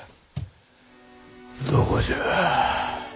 どこじゃ。